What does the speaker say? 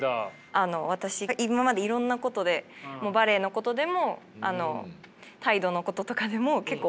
あの私今までいろんなことでバレエのことでも態度のこととかでも結構怒られてきました。